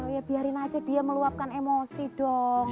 ya biarin aja dia meluapkan emosi dong